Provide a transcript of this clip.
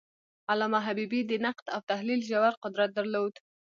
علامه حبیبي د نقد او تحلیل ژور قدرت درلود.